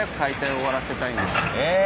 え！